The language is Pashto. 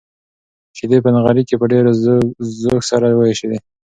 شيدې په نغري کې په ډېر زوږ سره وایشېدې.